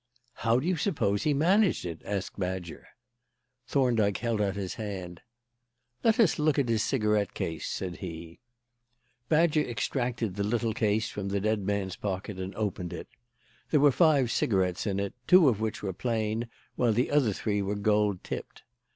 "How do you suppose he managed it?" asked Badger. Thorndyke held out his hand. "Let us look at his cigarette case," said he. Badger extracted the little silver case from the dead man's pocket and opened it. There were five cigarettes in it, two of which were plain, while the other three were gold tipped.